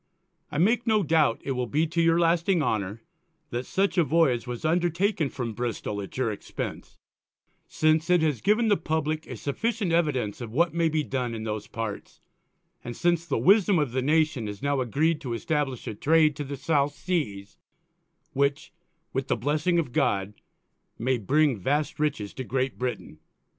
_ I make no doubt, it will be to your lasting Honour, that such a Voyage was undertaken from Bristol _at your Expence; since it has given the Publick a sufficient Evidence of what may be done in those Parts, and since the Wisdom of the Nation has now agreed to establish a Trade to the_ South Seas, which, with the Blessing of God, may bring vast Riches to GREAT BRITAIN.